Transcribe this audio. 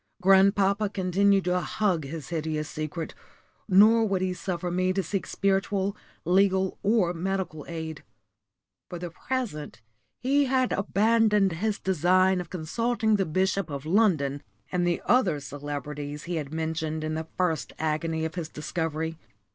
Grandpapa continued to hug his hideous secret, nor would he suffer me to seek spiritual, legal, or medical aid. For the present he had abandoned his design of consulting the Bishop of London, and the other celebrities he had mentioned in the first agony of his discovery.